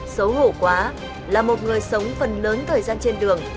xấu hổ quá là một người sống phần lớn thời gian trên đường